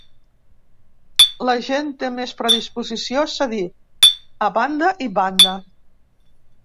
La gent té més predisposició a cedir, a banda i banda.